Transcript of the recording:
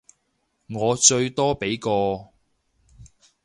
我最多畀個